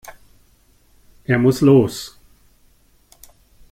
Er muss los.